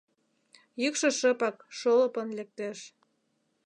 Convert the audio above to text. Йӱкшӧ шыпак, шолыпын лектеш.